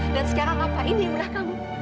dan sekarang apa ini udah kamu